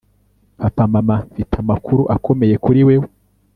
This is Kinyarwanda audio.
Papa Mama Mfite amakuru akomeye kuri wewe